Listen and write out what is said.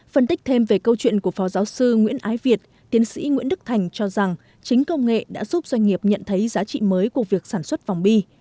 phân tích thêm về câu chuyện của phó giáo sư nguyễn ái việt tiến sĩ nguyễn đức thành cho rằng chính công nghệ đã giúp doanh nghiệp nhận thấy giá trị mới của việc sản xuất vòng bi